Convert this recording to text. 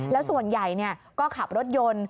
แล้วส่วนใหญ่ก็ขับรถยนต์